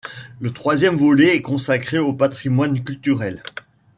Le troisième volet est consacré au patrimoine culturel.